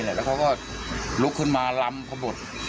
แล้วเขาก็ลุกขึ้นมาลำพบตร